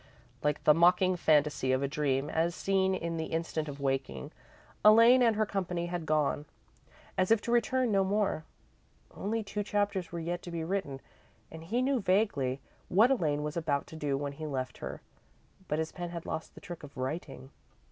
Like the mocking fantasy of a dream as seen in the instant of waking, Elaine and her company had gone, as if to return no more. Only two chapters were yet to be written, and he knew, vaguely, what Elaine was about to do when he left her, but his pen had lost the trick of writing.